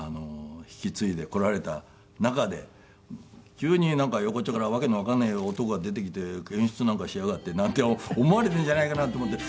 引き継いでこられた中で急に横っちょから訳のわからない男が出てきて演出なんかしやがってなんて思われているんじゃないかなと思って。